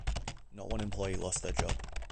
Not one employee lost their job.